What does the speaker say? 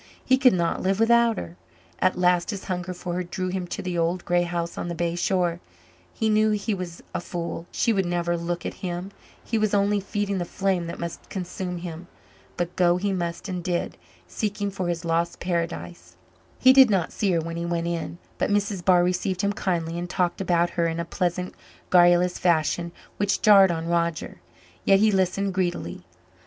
He could not live without her. At last his hunger for her drew him to the old grey house on the bay shore. He knew he was a fool she would never look at him; he was only feeding the flame that must consume him. But go he must and did, seeking for his lost paradise. He did not see her when he went in, but Mrs. Barr received him kindly and talked about her in a pleasant garrulous fashion which jarred on Roger, yet he listened greedily.